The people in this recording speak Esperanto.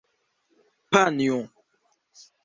panjo